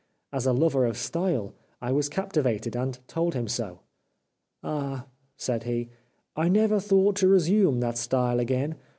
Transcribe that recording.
As a lover of style, I was capti vated, and told him so. " Ah !" said he, ''I never thought to resume that style again.